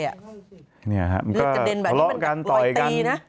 เลือดกระเด็นแบบนี้มันกับรอยตีนะก็ล้อกันต่อยกัน